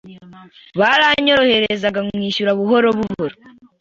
baranyoroherezaga nkishyura buhoro buhoro